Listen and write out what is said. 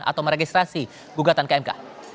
atau meregistrasi gugatan ke mk